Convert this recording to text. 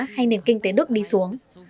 hay nền kinh tế đức đi xuống